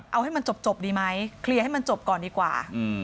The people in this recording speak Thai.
เอาให้มันจบดีไหมเคลียร์ให้มันจบก่อนดีกว่า